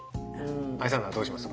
ＡＩさんならどうします？